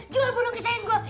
jual burung kesayangan gua